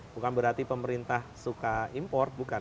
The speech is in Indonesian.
bukan berarti pemerintah suka import bukan